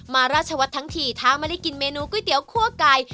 มาราชวัตรทั้งที่ท้ามาเลยกินเมนูก๋วยเตี๋ยวคั่วไก่